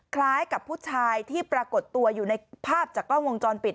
คล้ายกับผู้ชายที่ปรากฏตัวอยู่ในภาพจากกล้องวงจรปิด